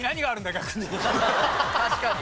確かに。